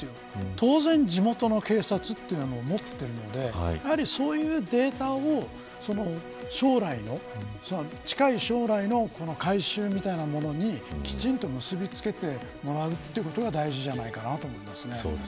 当然、地元の警察も持っているのでそういうデータを近い将来の改修みたいなものにきちんと結び付けてもらうということが大事じゃないかなと思います。